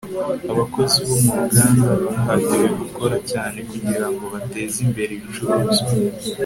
abakozi bo mu ruganda bahatiwe gukora cyane kugirango bateze imbere ibicuruzwa